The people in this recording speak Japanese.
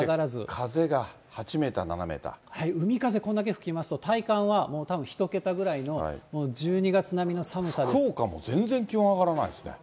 風が８メーター、海風、こんだけ吹きますと、体感はもうたぶん１桁ぐらいの、もう１２月福岡も全然気温上がらないですね。